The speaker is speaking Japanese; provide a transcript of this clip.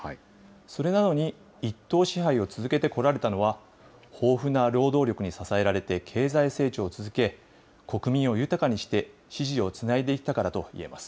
それなのに、一党支配を続けてこられたのは、豊富な労働力に支えられて経済成長を続け、国民を豊かにして、支持をつないでいったからといえます。